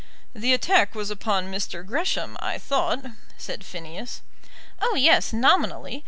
"The attack was upon Mr. Gresham, I thought," said Phineas. "Oh, yes; nominally.